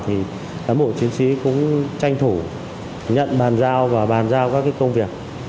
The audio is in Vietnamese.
thì cán bộ chiến sĩ cũng tranh thủ nhận bàn giao và bàn giao các công việc